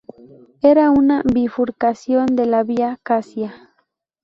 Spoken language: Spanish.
Era una bifurcación de la Vía Cassia.